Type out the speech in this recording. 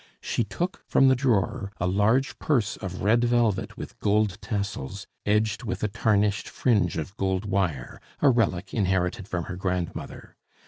She took from the drawer a large purse of red velvet with gold tassels, edged with a tarnished fringe of gold wire, a relic inherited from her grandmother.